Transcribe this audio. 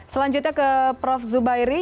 selanjutnya ke prof zubairi